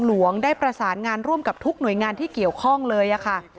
หลวงได้ประสานงานร่วมกับทุกหน่วยงานที่เกี่ยวข้องเลยค่ะ